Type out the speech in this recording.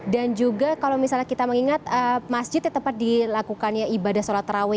dan juga kalau misalnya kita mengingat masjid yang tepat dilakukan ibadah sholat terakhir